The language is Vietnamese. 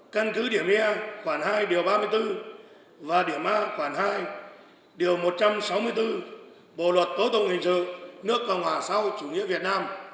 căn cứ điểm e khoảng hai điều ba mươi bốn và điểm a khoảng hai điều một trăm sáu mươi bốn bộ luật tố tụng hình sự nước cộng hòa sau chủ nghĩa việt nam